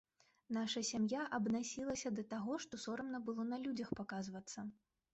Наша сям'я абнасілася да таго, што сорамна было на людзях паказвацца.